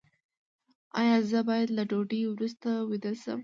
ایا زه باید له ډوډۍ وروسته ویده شم؟